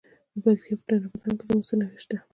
د پکتیا په ډنډ پټان کې د مسو نښې شته.